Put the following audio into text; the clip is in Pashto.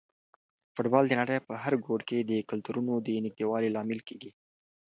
فوټبال د نړۍ په هر ګوټ کې د کلتورونو د نږدېوالي لامل کیږي.